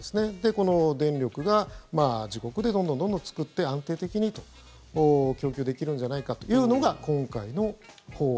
この電力が、自国でどんどんどんどん作って安定的に供給できるんじゃないかというのが今回の法案。